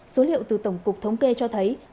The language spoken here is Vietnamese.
số liệu từ tổng cục thống kê cho thấy